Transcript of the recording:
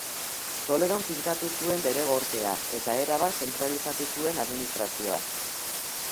Toledon finkatu zuen bere gortea eta erabat zentralizatu zuen administrazioa.